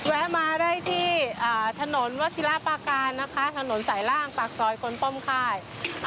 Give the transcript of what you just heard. แวะมาได้ที่ถนนวศิลาปาการนะคะถนนสายล่างปากซอยคนป้อมค่าย